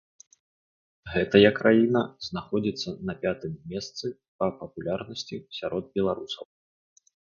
Гэтая краіна знаходзіцца на пятым месцы па папулярнасці сярод беларусаў.